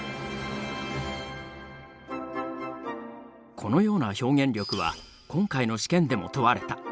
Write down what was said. このような表現力は今回の試験でも問われた。